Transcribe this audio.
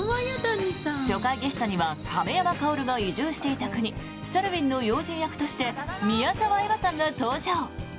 初回ゲストには亀山薫が移住していた国サルウィンの要人役として宮澤エマさんが登場。